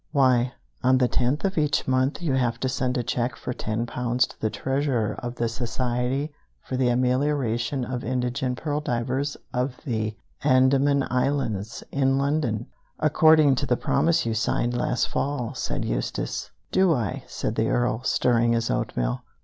"Why, on the tenth of each month you have to send a check for ten pounds to the treasurer of the Society for the Amelioration of Indigent Pearl Divers of the Andaman Islands, in London, according to the promise you signed last fall," said Eustace. "Do I?" said the Earl, stirring his oatmeal.